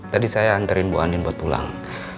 tadi saya antarin bu andin buat pulang